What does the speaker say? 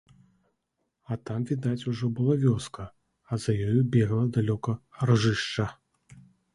А там відаць ужо была вёска, а за ёю бегла далёка ржышча.